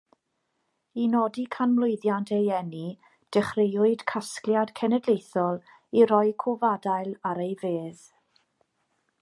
I nodi canmlwyddiant ei eni dechreuwyd casgliad cenedlaethol i roi cofadail ar ei fedd.